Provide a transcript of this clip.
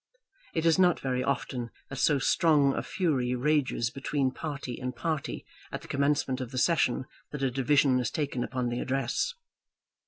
It is not very often that so strong a fury rages between party and party at the commencement of the session that a division is taken upon the Address.